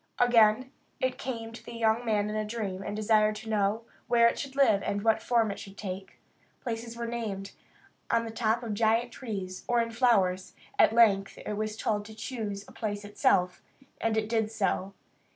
Again it came to the young man in a dream, and desired to know where it should live and what form it should take. Places were named on the top of giant trees, or in flowers. At length it was told to choose a place itself, and it did so.